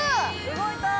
◆動いたー。